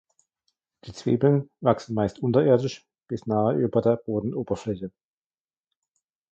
Die Zwiebeln wachsen meist unterirdisch bis nahe über der Bodenoberfläche.